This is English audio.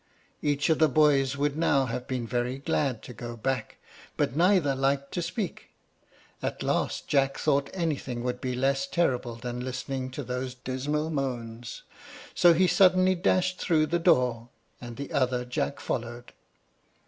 Each of the boys would now have been very glad to go back, but neither liked to speak. At last Jack thought anything would be less terrible than listening to those dismal moans, so he suddenly dashed through the door, and the other Jack followed.